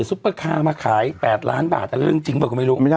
ซุปเปอร์คาร์มาขายแปดล้านบาทเรื่องจริงหรือเปล่าคุณไม่รู้ไม่ใช่